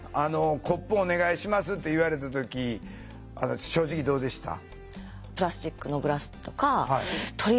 コップお願いしますって言われた時正直どうでした？